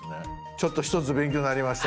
ちょっと一つ勉強になりました。